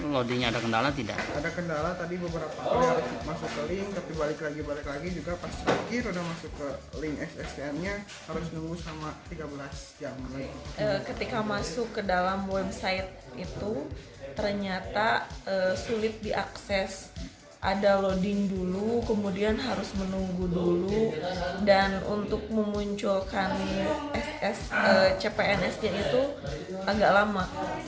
lading dulu kemudian harus menunggu dulu dan untuk memunculkan cpns nya itu agak lama